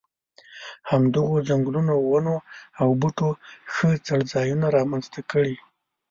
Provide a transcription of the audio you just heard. همدغو ځنګلونو ونو او بوټو ښه څړځایونه را منځته کړي.